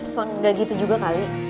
fun gak gitu juga kali